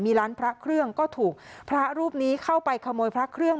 มีร้านพระเครื่องก็ถูกพระรูปนี้เข้าไปขโมยพระเครื่อง